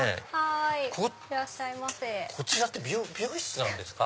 こちらって美容室なんですか？